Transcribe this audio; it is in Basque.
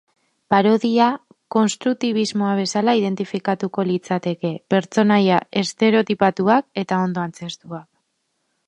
Parodia, kostunbrismoa bezala identifikatuko litzateke, pertsonaia estereotipatuak eta ondo antzeztuak.